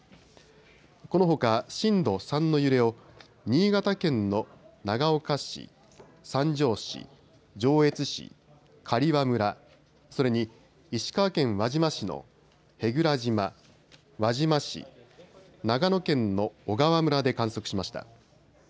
このほか震度３の揺れを新潟県の長岡市、三条市、上越市、刈羽村、それに石川県輪島市の舳倉島、輪島市、長野県の小川村で観測しました。